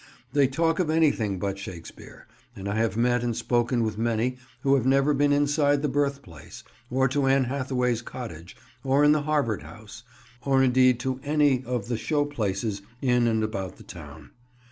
They talk of anything but Shakespeare, and I have met and spoken with many who have never been inside the Birthplace, or to Anne Hathaway's Cottage, or in the Harvard House, or indeed to any of the show places in and about the town.